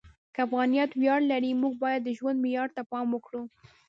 که افغانیت ویاړ لري، موږ باید د ژوند معیار ته پام وکړو.